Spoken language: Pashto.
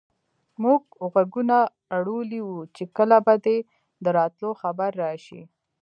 موږ غوږونه اړولي وو چې کله به دې د راتلو خبر راشي.